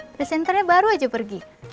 presenternya baru aja pergi